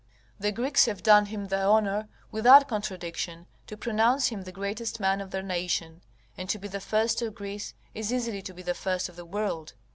The Greeks have done him the honour, without contradiction, to pronounce him the greatest man of their nation; and to be the first of Greece, is easily to be the first of the world.